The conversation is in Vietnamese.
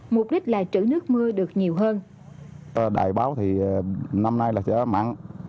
mục đích là trữ nước mưa được nhiều hơn